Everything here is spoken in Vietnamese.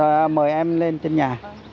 rồi mời em lên trên nhà